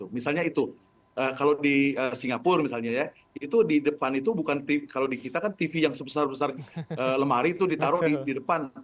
misalnya itu kalau di singapura misalnya ya itu di depan itu bukan kalau di kita kan tv yang sebesar besar lemari itu ditaruh di depan